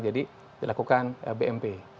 jadi dilakukan bmp